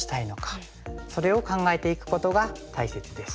それを考えていくことが大切です。